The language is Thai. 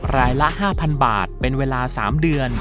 รายละ๕๐๐๐บาทเป็นเวลา๓เดือน